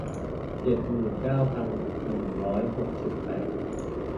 เจ็ดหมื่นเก้าพันหนึ่งร้อยหกสิบแปด